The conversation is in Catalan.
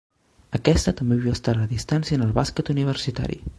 Aquesta també havia estat la distància en el bàsquet universitari.